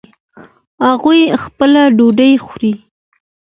هغوی خپله ډوډۍ خوري